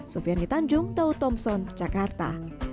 sufian hitanjung daud thompson jakarta